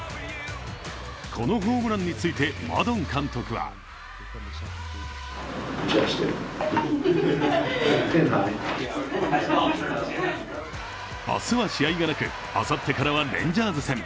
このホームランについて、マドン監督は明日は試合がなく、あさってからはレンジャーズ戦。